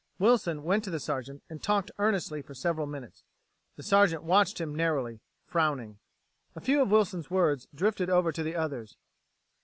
Wilson went to the Sergeant and talked earnestly for several minutes. The Sergeant watched him narrowly, frowning. A few of Wilson's words drifted over to the others